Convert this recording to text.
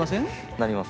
なります。